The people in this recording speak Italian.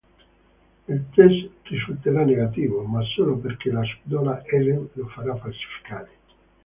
Il test risulterà negativo, ma solo perché la subdola Ellen lo farà falsificare.